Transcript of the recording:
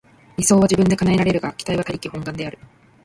理想は自分で叶えられるが、期待は他力本願である。